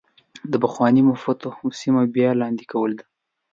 د پخوانو مفتوحه سیمو بیا لاندې کول ده.